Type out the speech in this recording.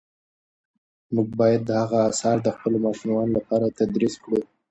موږ باید د هغه آثار د خپلو ماشومانو لپاره تدریس کړو.